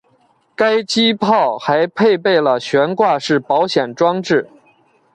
该机炮还配备了悬挂式保险装置。